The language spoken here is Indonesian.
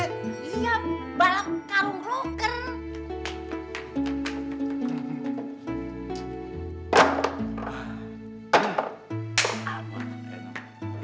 iya balap karung lo ken